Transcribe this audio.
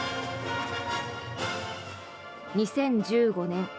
２０１５年